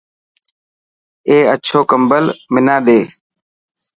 اي اڇو ڪمبل منا ڏي.